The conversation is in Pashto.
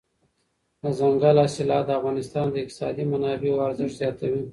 دځنګل حاصلات د افغانستان د اقتصادي منابعو ارزښت زیاتوي.